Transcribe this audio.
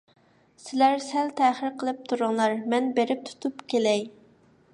سىلەر سەل تەخىر قىلىپ تۇرۇڭلار، مەن بېرىپ تۇتۇپ كېلەي.